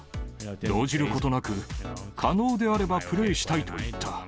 動じることなく、可能であればプレーしたいと言った。